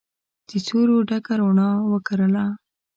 د سیورو ډکه روڼا وکرله